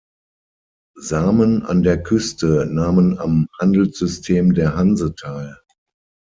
Samen an der Küste nahmen am Handelssystem der Hanse teil.